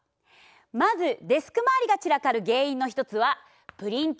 まずデスク周りが散らかる原因の一つはプリント。